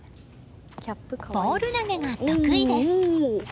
ボール投げが得意です！